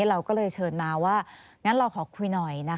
เราก็เลยเชิญมาว่างั้นเราขอคุยหน่อย